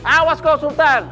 awas kau sultan